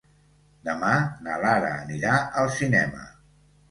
Demà na Lara anirà al cinema.